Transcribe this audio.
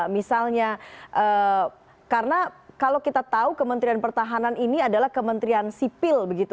misalnya karena kalau kita tahu kementerian pertahanan ini adalah kementerian sipil